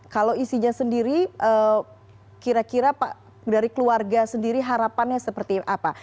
kalau isinya sendiri kira kira pak dari keluarga sendiri harapannya seperti apa